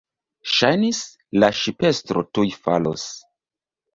Ŝajnis, la ŝipestro tuj falos.